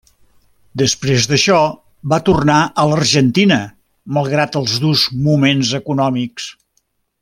Després d'això va tornar a l'Argentina, malgrat els durs moments econòmics.